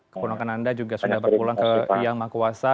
keponokan anda juga sudah berpulang ke yang mahkuasa